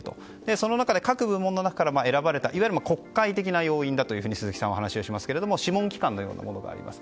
その中で各部門の中から選ばれたいわゆる国会的な要員だと鈴木さんは話していますが諮問機関のようなものがあります。